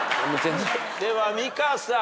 では美香さん。